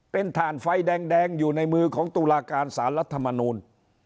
เป็นถ่านไฟแดงอยู่ในมือของตุลาการสารรัฐมนูล